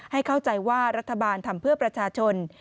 ให้เข้าใจว่ารัฐบาลทำเพื่อประชาชน